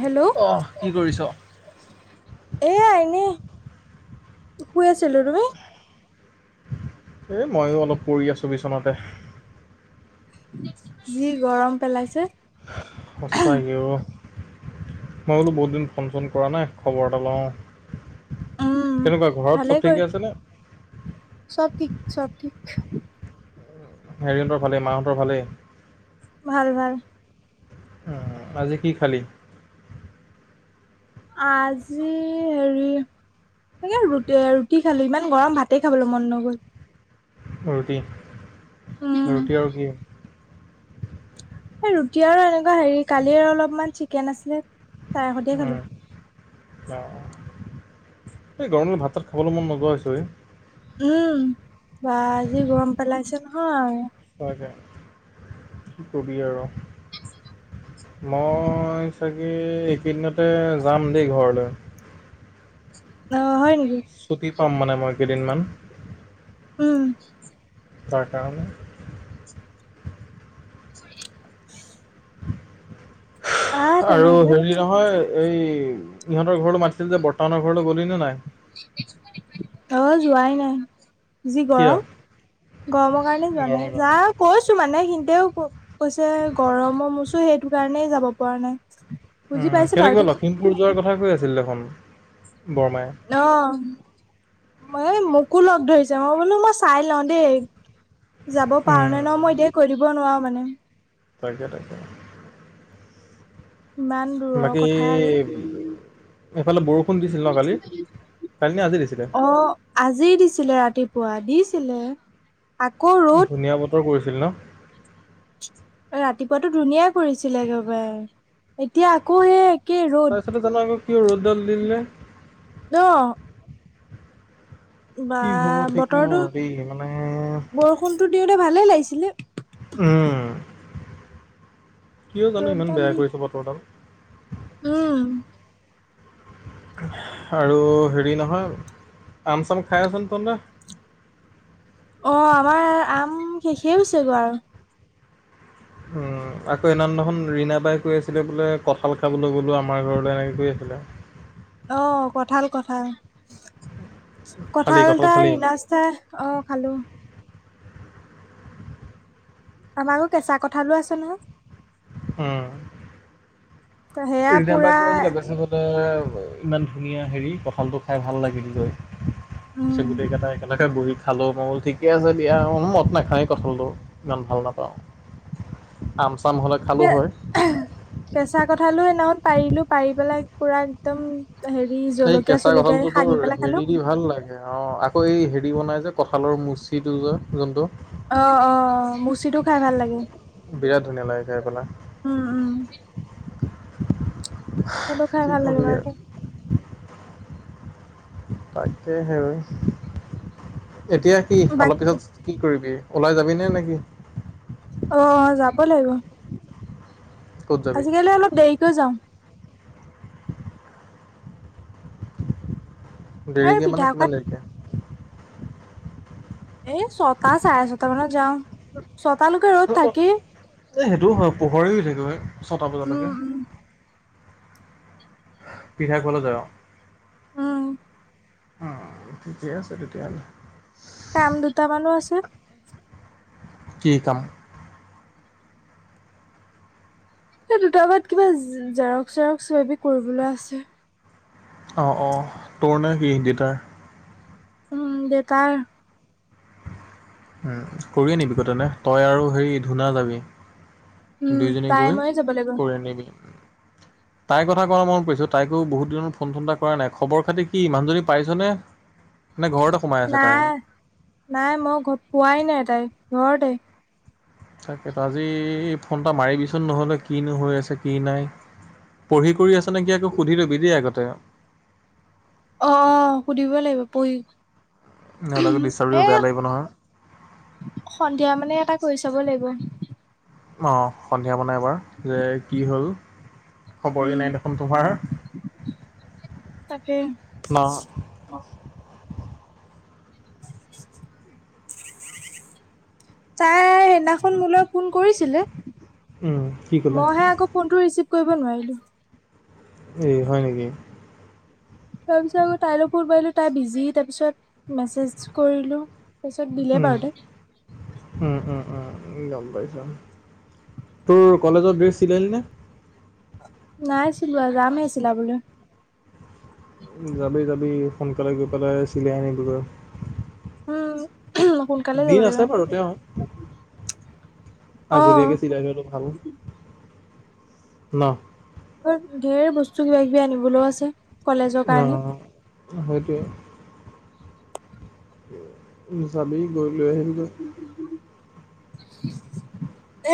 Hello অহ কি কৰিছ? এ আই নে? শুই আছিলোঁ তুমি? এই ময়ো অলপ পৰি আছোঁ বিচনাতে। যি গৰম পেলাইছে। সঁচাাকে অ। মই বোলো বহুত দিন ফোন-চোন কৰা নাই খবৰ এটা লওঁ। উম কেনেকুৱা ঘৰত ভালে চব কৰ ঠিকে আছেনে চব ঠিক চব ঠিক। [inaudible] হেৰিযহতৰ ভালে মাহঁতৰ ভালেই? ভাল ভাল। আজি কি খালি? আজি হেৰি সে ৰু ৰুটি খালোঁ ইমান গৰম ভাতে খাবলৈ মন নগ'ল। ৰুটি উম ৰুটি আৰু কি? ৰুটি আৰু এনেকুৱা হেৰি কালি আৰু অলপমান চিকেন আছিলে। তাৰে সৈতে খালো অ এই গৰম দিনত ভাত-চাত খাবলৈ মন নোযোৱা হৈছে বে। উম বা আজি গৰম পেলাইছে নহয়। তাকে কবি আৰু মই চাগে এইকেইদিনতে যাম দেই ঘৰলৈ। অ হয় নেকি? ছুটি পাম মানে মই কেইদিনমান। উম তাৰ কাৰণে। আহ আৰু তেনেহলে হেৰি নহয় এই ইহঁতৰ ঘৰলৈ মাতিছিল যে বৰ্তানৰ ঘৰলৈ গ'লি নে নাই? অ যোৱাই নাই। যি কিয়? গৰম গৰমৰ কাৰণে যোৱা নাই গৰমৰ যা কাৰণে। কৈছো মানে দেও কৈছে গৰমৰছো সেইটো কাৰণেই যাব পৰা নাই বুজি উম পাইছে বাৰু কেনেকিবা দে লখিমপুৰ যোৱাৰ কথা কৈ আছিল দেখোন বৰমাই। আহ ম মোকো লগ ধৰিছে মই বোলো মই চাই লওঁ দেই যাব পাৰো ন ন মই এতি কৈ দিব নোৱাৰো মানে তাকাকে তাকে ইমান দূৰৰ বাকী কথা আৰু এইফালে বৰষুণ দিছিল ন কালি কালি নে আজি দিছিলে? অ আজি দিছিলে ৰাতিপুৱা দিছিলে আকৌ ধুনীয়া বতৰ কৰিছিল ন ৰাতিপুৱাতটো ধুনীয়াই কৰিছিলে একবাৰে এতিয়া আকৌ এ তাৰপিছতে তনে আকৌ কি ৰ'দডাল দিলে অ বা কি হ'ব ঠিক নাই বতৰটো আৰু দেই মানে বৰষুণতটো দিওঁতে ভালে লাগিছিলে কিয় জানো ইমান ৰ'দডাল বেয়া দি কৰি চ ব তৰডাল উম আৰু হেৰি নহয় আম চাম খাই আছে তেলে অ আমাৰ আম শেষে হৈছে গৈ আৰু উম আকৌ এনান দেখন ৰৰিণা বাই কৈ আছিলে বোলে কঁঠাল খাবলৈ গলো আমাৰ ঘৰলৈ এনেকে কৈ আছিল আেলা আহ কঠাল কঠাল খালি কঁঠাল তাৰ খালি? ই নাস্তা আহ খালো আমাৰো কেঁচা কঠালো আছে নহয় হ সেয়া টম পাই পুৰা কৈ আছিলোছ বে ইমান ধুনীয়া হেৰি কঁঠালটো খাই ভাল লাগিল গৈ উম পিছে গোটেইকেইটা একেলগ ত বুহি খালোঁ মো ঠিকে আছে দিয়া মো মত নাখাওঁ কঠলটো ইমান ভাল নাপাওঁ অম কেঁচা কঠালো সেইনাহত পাৰিলো পাৰি পেলাই পুৰা একদম হেৰি এই জলকীয়া কেঁচা চলকীয়া গছলটো সানি তোৰ পেলাই খালো হেৰি দি ভাল লাগে অ আকৌ হেৰি বনায় যে কঁঠালৰ মুচিটো যে যোনটো অ অ মুচিিতটো খাই ভাল লাগে বিৰাট ধুনীয়া লাগে খাই পেলাই উম উম সেইটো খাই কি ভাল কব লাগে আৰু বাৰু তাকে হে এতিয়া কি বাক অলপ পিছত কি কৰিবি ওলাই যাবি নে নেকি অ যাব লাগিব ক'ত যাবি আজিকালি অলপ দেৰিকৈ যাওঁ এই দেৰিকে পিঠা মানে খোৱাত কিমান দেৰিকে এ ছটা চাৰে ছটা মানত যাওঁ ছটালৈকে ৰ'দ থাকি পোহৰি থাকিবঁ ছটা বজালৈকে উম পিঠা খুৱাল য আহ অ ঠিকে আছে তেতিয়াহ'লে কাম দুটা মানুহ আছে কি আাম দুট বাত কিবা জৰক চৰক চাবি কৰিবলৈ আছে অঁ অঁ তোৰ নে কিডউ তাৰ উম বটাৰ কৰিয়ে নিবি কটনে তই আৰু হেৰি ধূনা যাবি উম দুয়োজনী তাই গৈ ময়ে যাব লাগিব কৰি আ নিবি তাইৰ কথা ক মন পৰিছ তাইকো বহুত দিনত ফোন ফুোনন্দটা কৰা নাই খবৰ খাতি কি মানুহজনী পাইছনেে উ নাই নাই মই ঘ পোৱাই নাই তাই ঘৰতে তাকেতো আজি ফোন এটা মাৰিবিচোন নহ'লে কিনো হৈ আছে কি নাই পঢ়ি কৰি আছে নেকি আকৌ সুধি ল'বি দেই আগতে অ সুধিব লাগিব পঢ়ি নহলোগো ডাৰ এ বেয়া লাগিব নহয় সন্ধিয়া মানে এটা কৰি চাব লাগিব অ সন্ধিয়া মানাই এবাৰ যে কি হ'ল খবৰে উম নাই দেখোন তোমাৰ তাকাকে ন তাই সেইদিনাখন মোলৈলৈ ফোন কৰিছিলে উম, কি ক'লে মইহে আকৌ ফোনটো ৰিচিভ কৰিব নোৱাৰিলোঁ এ হয় নেকি তাৰপিছত আকৌ তাইলৈ ফোন পাইলোঁ তাই বিজি তাৰপিছত মেছেজ কৰিলোঁ তাৰপিছত দিলে বাৰু দে অ গম পাইছ তোৰ কলেজৰ ড্ৰেছ চিলাইিল নে ছিল গামেই আছিলা বোলে যাবি যাবি সোনকালে গৈ পেলাই চিলাই আনিবগৈ উম সোনকালে যাব দিন লাগিব। আছে বাৰু তেওঁ। আগতীয়াকে অ' চিলাই থোৱাটো ভাল ন। ধেৰ বস্তু কিবা কিবি আনিবলৈও আছে কলেজৰ কাৰণে। হয়তো। যাবি গৈ গৈ লৈ আহিবিগৈ।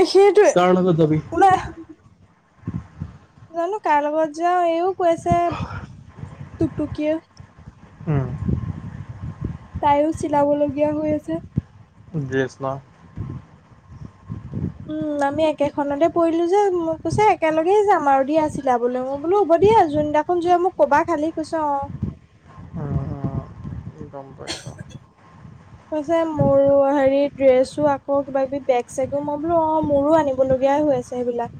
এই সেইটোৱে কাৰ লগত যাবি কোনে। জানো কাৰ লগত যাওঁ এইও কৈছে টুকটুকিয়ে। উম। তাইও চিলাবলগীয়া হৈ আছে। ড্ৰেছ ন। উম, আমি একেখনতে পৰিলো যে মোক কৈছে একেলগে যাম আৰু দিয়া ছিলা বলে মোক বোলো হ'ব দিয়া যোনদিনাখন যোৱা মোক কবা খালি কৈছ অ'। অ'- অ'। কৈছে মোৰ হেৰিত ড্ৰেছো আকৌ কিবা কিবি বেগ চেগো মই বোলো অ' মোৰো আনিবলগীয়াই হৈ আছে সেইবিলাক।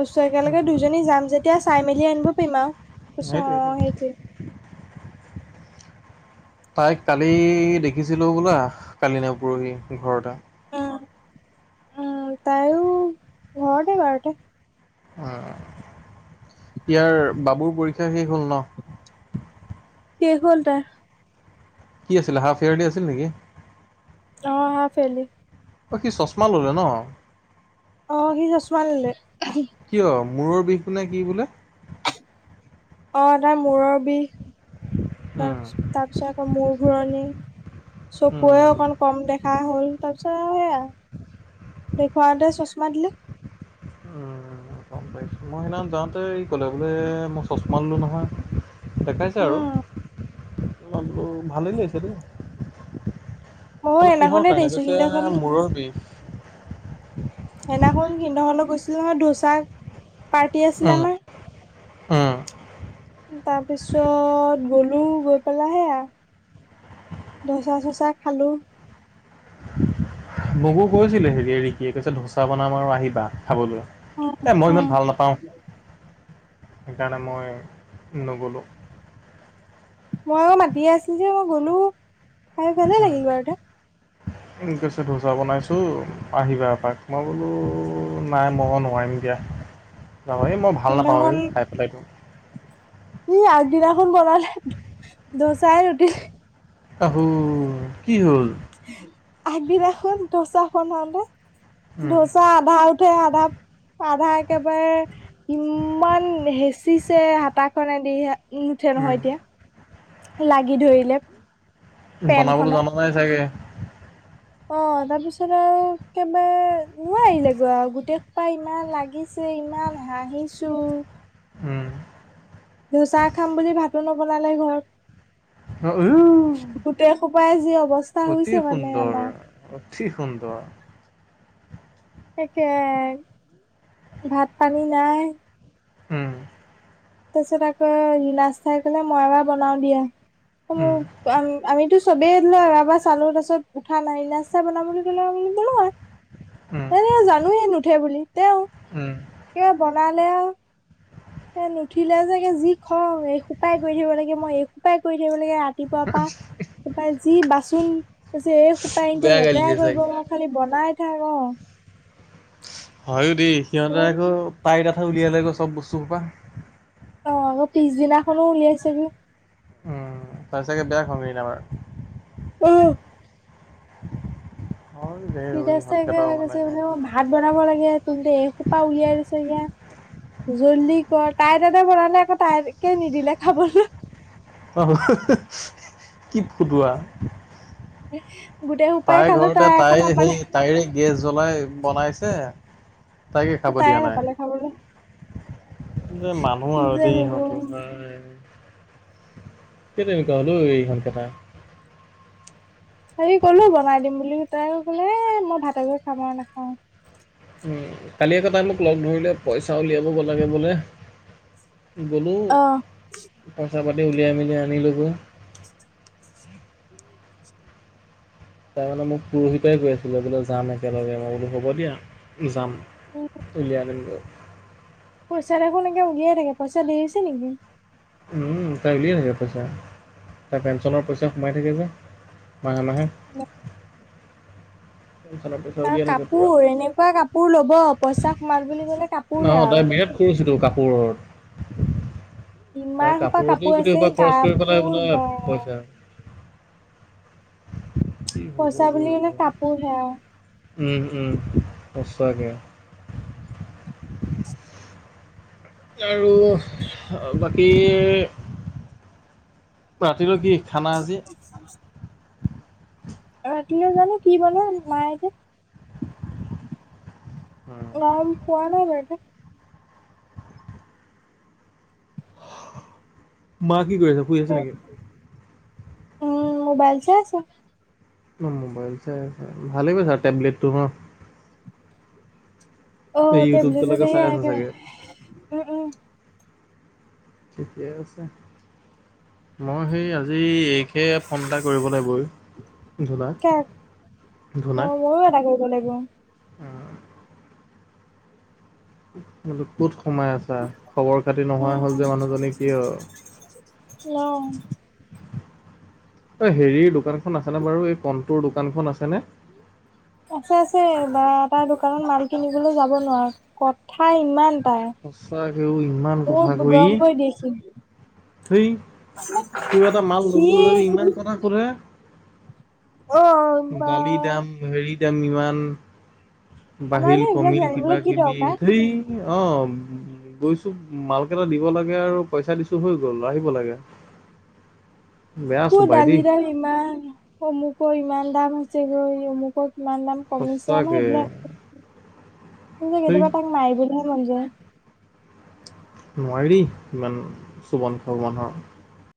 বস্তু একেলগে উম, দুজনী যাম যেতিয়া চাই মেলি আনিব পাৰিম আৰু। কৈছোঁ সেইটোৱে অ' সেইটোৱে সেইটোই। তাইক কালি দেখিছিলো বোলা কালি নে পৰহি ঘৰটা। উম, উম, তাইও ঘৰতে বাৰু এতিয়া। অ'। ইয়াৰ বাবুৰ পৰীক্ষা শেষ হ'ল ন। শেষ হ'ল তাৰ। কি আছিলে হাফ ইয়াৰলি আছিল নেকি। অ' হাফ ইয়াৰলি। অ' সি চশমা ল'লে ন। অ', সি চছমা ল'লে। কিয় মূৰৰ বিষ নে কি বোলে। অ', তাৰ মোৰৰ বিষ তাৰ উম, তাৰপিছত আকৌ মোৰ ঘুৰণি চকুৱে উম, অকণ কম দেখা হ'ল তাৰ আৰু সেয়া দেখুৱাওতে চশমা দিলে। [unintelligible] মই সেইদিনা যাওঁতে ক'লে বোলে মই চশমা ললো নহয়। দেখাইছে আৰু উম মই বুলো ভালেই লাগিছে দেই। ময়ো বুলো কিহৰ সেইদিনাখনে কাৰণে দেখিছো কৈছে সিদিনাখন মূৰৰ বিষ। সেইদিনাখন সিহতৰ ঘৰলে গৈছিলো নহয় ধোচা পাৰ্টি আছিল উম, উম। আমাৰ তাৰপিছত গ'লো লো গৈ পেলাই সেয়া ধচা চচা খালো। মোকু কৈছিলে হেৰিয়ে ৰিকিয়ে কৈছে ধোচা বনাম আৰু আহিবা। খাবলৈ, উম এই মই উম ইমান ভাল নাপাওঁ। সেইকাৰণে মই নগ'লোঁ। মই আকৌ মাতিয়ে আছে যে মই গ'লো খাই ভালে লাগিল বাৰু এটা। ঠিক আছে ধোচা বনাইছো আহিবা এপাক মই বোলো নাই মই নোৱাৰিম। [unintelligible] এই মই ভাল নাপাওঁ সেইদিনাখন এই খাই পেলাই। দিনাখন বনালে দোচাই ৰুটি আহো কি হ'ল। আগদিনাখন দ'চাখন হওঁতে। ধোচা আধা উঠে আধা- আধা একেবাৰে ইমান হেঁচিছে হাতাখনেদি। নুঠে নহয় এতিয়া লাগি ধৰিলে। বনাবলৈ পেনখনত জানা নাই চাগে। অ', তাৰপিছত আৰু একবাৰে নোৱাৰিলে আহিলে গৈ আৰু গোটেইসোপা ইমান লাগিছে ইমান হাঁহিছো উম জোচা খাম বুলি ভাতো নবনালে ঘৰত গোটেই খোপাই যি অৱস্থা হৈছে মানে আমাৰ সুঠি সুন্দৰ তাকে ভাত পানী নাই উম তাৰপিছত আকৌ নাস্তাই কলে মই এবাৰ বনাও দিয়া আমিতো চবেই ল এবাৰ চালো তাছত প উঠা নাই না চা বনাম বুলি ক' বুলি বোলো আৰু স জানোয়ে নুঠে বুলি তেওঁ ক বনালে আৰু সনি উঠিলে যেগৈ যি খং এই সোপাই কৰি থাকিব লাগে মই এই সোপাই কৰি থাকিব লাগে ৰা উ ত যি বাচন হৈছে এই সোপাইনতে বেয়া গালি লেতেৰা দিয়ে কৰিব চাগে খালি বনাই ঠ ৰ হয়ো দেই সিহঁতে আকৌ তাইৰ তথা উলিয়ালে আকৌ চব বস্তু সোপা অ পিছদিনাখনো উলিয়াইছে উম তাৰপিছাগে বেয়া কগ নামাৰ উ হয় দে চে ইহঁতকেইটা মানে ম ভাত বনাব লাগে তুমসোপা উলিয়াই দিছ এ জল্লি কৰ তাই তাতে বনালে আকৌ তাইকে নিদিলে খাবলৈ আহ কি ফুটোৱাা উ তাই ঘৰতে তাই সেই তাইৰে গেছ জ্বলাই বনাইছে তকে খাব তাই দিয়া নাই নাপালে খাবলৈ যে মানুহ কি আৰু যে দেই হব ইহঁতৰ তাৰ তেেই তেনেিুৱা হ'লো এইখন কটা হেৰি ক'লো বনাই দিম বুলি তাই ক'লে মই ভাতকৈ খাম আৰু নাখাওঁ কালি এককটাই মোক লগ ধৰিলে পইচা উলিয়াব গ লাগে বোলে গ'লোঁ পইচা পাতি উলিয়াই মেলিাই আনি ল'বো তাৰ মানে মোক পৰহি পৰাই গৈ আছিলে বোলে যাম একেলগে মই বোলো হ'ব দিয়া যাম উম উলিয়াই আনন্দ পইচা দেখো এনেকে উ দিয়াই থকে পইচা লৈ আহিছে নেকি তাই উলিয়াই থাকে পইচা তাই পেঞ্চনৰ পইচা সোমাই থাকে যে মাহে মাহে পেঞ্চনৰ পইচা আৰু উলিয়াই থাকে পুৰা কাপোৰ এনেকুৱা কাপোৰ ল'ব পইচা সোমাল বুলি কলে কাপোৰহে আৰু পোহৰ ইমান তাই সোপা কাপোৰ কাপোৰতেও আছে গোটেইোপা খৰচ কৰি প নাই ব কাপোৰ নাই বা পইচা কি হ'ব পচা গৈ বুলি কানে কাপোৰ হে আৰু উম উম সসাাকৈ আৰু বাকী ৰাতিলৈ কি খানা আজি ৰাতিলৈ জানো কি বো মায় এতে অম পোৱা ন বেটাা মা কি কৰি আছে শুহ আছে নেকি উম মোবাইল চ আছ মোবাইল চাই আছো ভালেই পাইচা টেবলেটটো ন অ ইউটউব ত টেবলেটত লগাই চাই এইয়া আছ' চাগে উম উম থিকে আছে মই সেই আজি স সয়ে ফোন এটা কৰিবলৈ ঐ ধূনাক কাক অ ধূনাক ময়ো এটা কৰিব লাগিব ম ক'ত সোমাই আছা খবৰ খাতি নোহোৱা উম হ'ল যে মানুহজনী কি হয় অওঁ এই হেৰি দোকানখন আছেনে বাৰু এই কণ্টুৰ দোকানখন আছেনে আছে আছে বা তাৰ দোকানত মাল কিনিবলৈ যাব নোৱাৰো কথা ইমান তাৰ সঁচাকেও ইমান মুৰ গৰম কৰি দিযে সি থেই কিবা এটা মাল সি ল'বলৈ যাবি ইমান কথা শুধে অ বা দালি দাম হেৰি দাম ইমান আমাৰ বাহিল নো এইবিলাক কমিল কিবা জানিবলৈ কি কিবি দৰকাৰ সেই অঁ গৈছোঁ মালকেইটা দিব লাগে আৰু পইচা দিছোঁ হৈ গ'ল গল আহিব লাগে বেয়া ক চোবাই দালি দেই দাল ইমান অমুক ইমান দাম হৈছে গৈ অমুক ইমান দাম কমিছে ন সঁচাকে। সেইবিলাক যে ধেই কেতিয়াবা তাক মাৰিবলৈ মন যায় নোৱাৰি ইমান চোবন খাব মানুহৰ